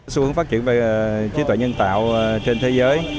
xu hướng phát triển về trí tuệ nhân tạo trên thế giới